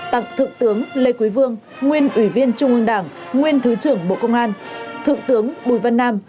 tặng thượng tướng lê quý vương nguyên ủy viên trung ương đảng nguyên thứ trưởng bộ công an thượng tướng bùi văn nam